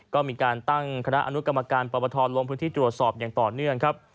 ก็มีการตั้งคณะอนุกรรมการปปทลงพื้นที่ตรวจสอบอย่างต่อเนื่องครับ